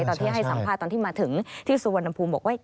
ตอนที่ให้สัมภาษณ์ตอนที่มาถึงที่สุวรรณภูมิบอกว่า